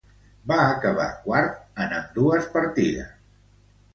Va acabar quarts en ambdues partides.